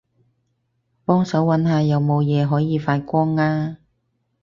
幫手搵下有冇嘢可以發光吖